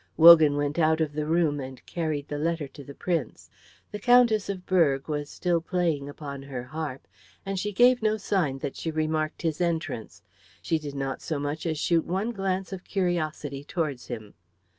Wogan went out of the room and carried the letter to the Prince. The Countess of Berg was still playing upon her harp, and she gave no sign that she remarked his entrance. She did not so much as shoot one glance of curiosity towards him.